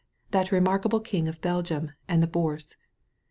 that remarkable King of Belgium and the Bourse.